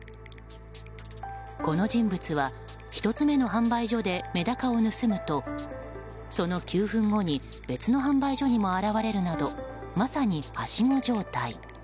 この人物は１つ目の販売所でメダカを盗むとその９分後に別の販売所にも現れるなどまさに、はしご状態。